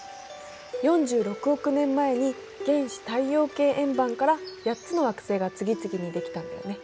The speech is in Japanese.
４６億年前に原始太陽系円盤から８つの惑星が次々にできたんだよね。